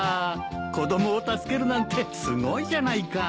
子供を助けるなんてすごいじゃないか。